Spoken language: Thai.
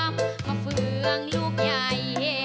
มาฟื้องลูกใหญ่